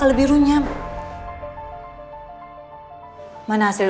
kita bisa minum cairan hari ini